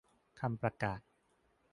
คำประกาศ